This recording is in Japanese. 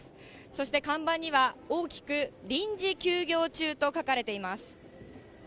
そして看板には、大きく臨時休業中と書かれています。